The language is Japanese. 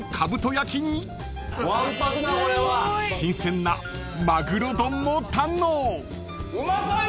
焼きに新鮮なマグロ丼も堪能］